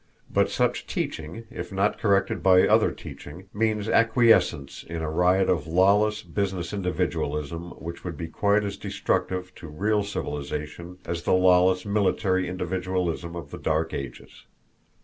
But such teaching, if not corrected by other teaching, means acquiescence in a riot of lawless business individualism which would be quite as destructive to real civilization as the lawless military individualism of the Dark Ages.